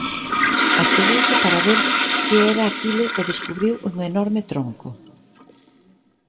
Achegouse para ver que era aquilo e descubriu un enorme tronco.